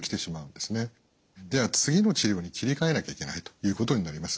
では次の治療に切り替えなきゃいけないということになります。